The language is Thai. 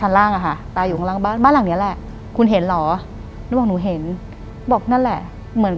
หลังจากนั้นเราไม่ได้คุยกันนะคะเดินเข้าบ้านอืม